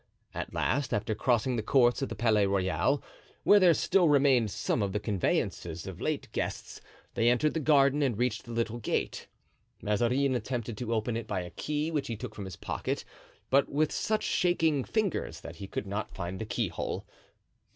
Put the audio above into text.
At last, after crossing the courts of the Palais Royal, where there still remained some of the conveyances of late guests, they entered the garden and reached the little gate. Mazarin attempted to open it by a key which he took from his pocket, but with such shaking fingers that he could not find the keyhole.